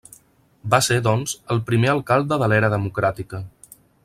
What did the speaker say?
Va ser, doncs, el primer alcalde de l'era democràtica.